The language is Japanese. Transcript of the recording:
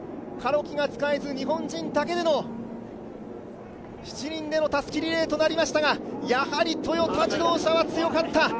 カロキが使えず日本人だけでの７人でのたすきリレーとなりましたがやはりトヨタ自動車は強かった。